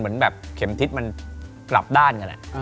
เหมือนแบบเข็มทิศกลับด้านกัน